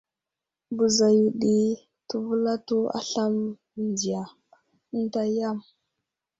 Bəza yo ɗi təvelato aslam mənziya ənta yam.